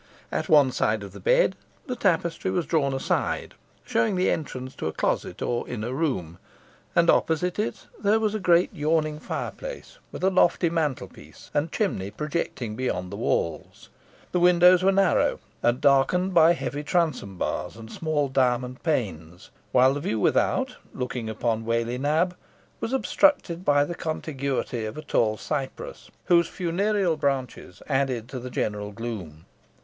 At one side of the bed the tapestry was drawn aside, showing the entrance to a closet or inner room, and opposite it there was a great yawning fireplace, with a lofty mantelpiece and chimney projecting beyond the walls. The windows were narrow, and darkened by heavy transom bars and small diamond panes while the view without, looking upon Whalley Nab, was obstructed by the contiguity of a tall cypress, whose funereal branches added to the general gloom.